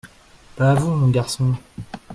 Pas vous, mon garçon…